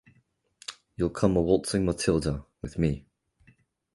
You'll come a-waltzing Matilda, with me.